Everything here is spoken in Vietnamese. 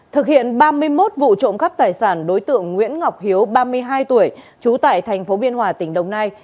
thực hiện ba mươi một vụ trộm cắp tài sản đối tượng nguyễn ngọc hiếu ba mươi hai tuổi trú tại thành phố biên hòa tỉnh đồng nai